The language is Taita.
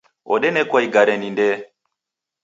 Odenekwa igare ni ndee.